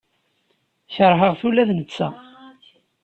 Keṛheɣ-t ula d netta.